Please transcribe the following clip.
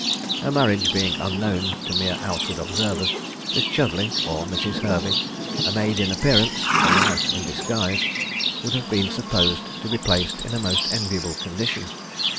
Her marriage being unknown to mere outward observers, Miss Chudleigh, or Mrs. Hervey, a maid in appearance a wife in disguise would have been supposed to be placed in a most enviable condition.